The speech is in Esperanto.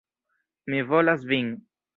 Mi volas vin.